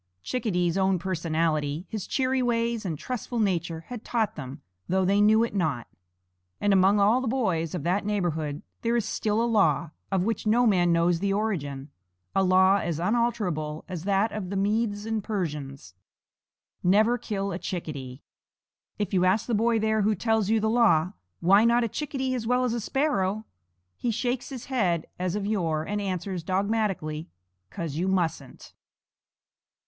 Chickadee's own personality, his cheery ways and trustful nature had taught them, though they knew it not. And among all the boys of that neighborhood there is still a law, which no man gave, of which no man knows the origin, a law as unalterable as that of the Medes and Persians: Never kill a chickadee. If you ask the boy there who tells you the law, "Why not a chickadee as well as a sparrow?" he shakes his head as of yore, and answers dogmatically: "'Cause you mustn't."